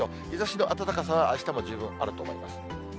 日ざしの暖かさはあしたも十分あると思います。